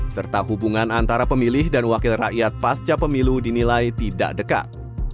serta hubungan antara pemilih dan wakil rakyat pasca pemilu dinilai tidak dekat